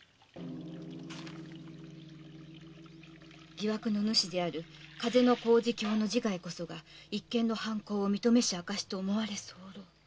「疑惑の主である風小路卿の自害こそが一件の犯行を認めし証と思われ候」。